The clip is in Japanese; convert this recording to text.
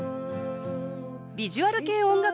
ビジュアル系音楽